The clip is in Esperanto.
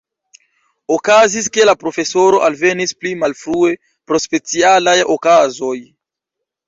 Okazis, ke la profesoro alvenis pli malfrue, pro specialaj okazoj.